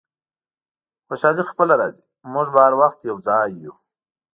خوشحالي خپله راځي، موږ به هر وخت یو ځای یو.